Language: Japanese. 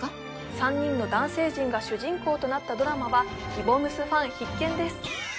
３人の男性陣が主人公となったドラマはぎぼむすファン必見です